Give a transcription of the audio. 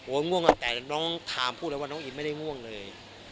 โอ้ยง่วงอะแต่น้องทามพูดแล้วว่าน้องอินไม่ได้ง่วงเลย